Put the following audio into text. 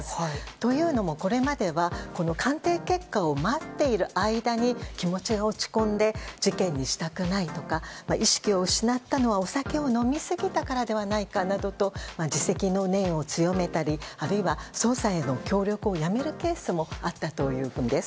というのも、これまでは鑑定結果を待っている間に気持ちが落ち込んで事件にしたくないとか意識を失ったのは、お酒を飲みすぎたからではないかと自責の念を強めたりあるいは、捜査への協力をやめるケースもあったということです。